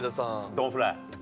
ドン・フライ。